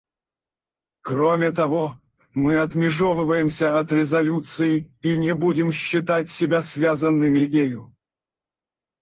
Кроме того, мы отмежевываемся от резолюции и не будем считать себя связанными ею.